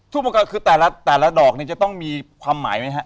ทูบองค์กรคือแต่ละดอกเนี่ยจะต้องมีความหมายมั้ยฮะ